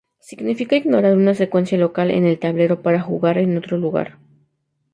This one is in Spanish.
Significa ignorar una secuencia local en el tablero para jugar en otro lugar.